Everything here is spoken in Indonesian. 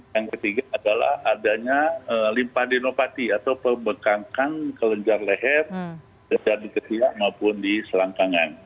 yang ketiga adalah adanya limpadenopati atau pembekangkan kelenjar leher kelenjar di ketiak maupun di selangkangan